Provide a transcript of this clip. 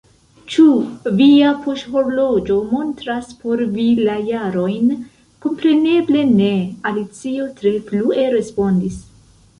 "Ĉu via poŝhorloĝo montras por vi la jarojn?" "Kompreneble ne!" Alicio tre flue respondis.